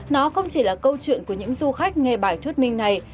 nó không chỉ là câu chuyện của những du khách nghe bài thuyết minh này